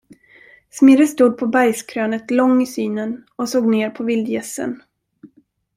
Smirre stod på bergskrönet lång i synen och såg ner på vildgässen.